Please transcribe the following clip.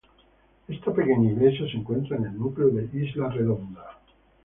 Esta pequeña iglesia se encuentra en el núcleo de Isla Redonda.